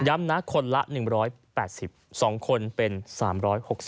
ย้ำนะคนละ๑๘๐บาทสองคนเป็น๓๖๐บาท